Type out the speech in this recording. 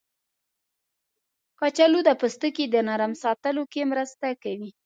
کچالو د پوستکي د نرم ساتلو کې مرسته کوي.